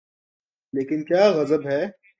لیکن کیا غضب ہے۔